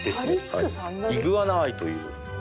イグアナアイという。